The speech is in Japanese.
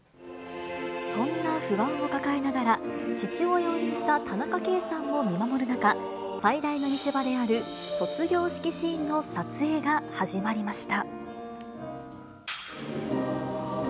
そんな不安を抱えながら、父親を演じた田中圭さんも見守る中、最大の見せ場である卒業式シーンの撮影が始まりました。